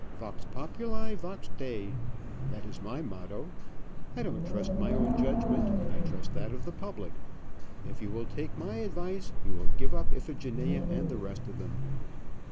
'Vox populi, vox Dei' that is my motto I don't trust my own judgment; I trust that of the public. If you will take my advice, you will give up Iphigenia and the rest of them.